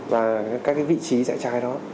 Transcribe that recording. và các vị trí dạy trái đó